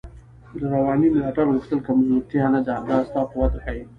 د روانی ملاتړ غوښتل کمزوتیا نده، دا ستا قوت ښایی